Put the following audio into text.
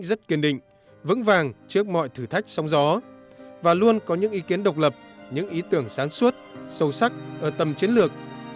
rất kiên định vững vàng trước mọi thử thách sóng gió và luôn có những ý kiến độc lập những ý tưởng sáng suốt sâu sắc ở tầm chiến lược